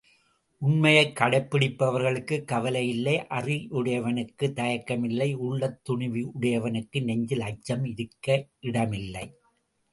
உண்மையைக் கடைப்பிடிப்பவர்களுக்கு கவலை இல்லை அறிவுடையவனுக்குத் தயக்கம் இல்லை உள்ளத் துணிவுடையவனுக்கு நெஞ்சில் அச்சம் இருக்கயிடமில்லை.